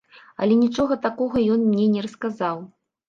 Але нічога такога ён мне не расказаў.